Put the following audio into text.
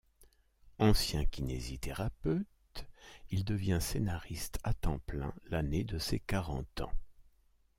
Ancien kinésithérapeute, il devient scénariste à temps plein l'année de ses quarante ans.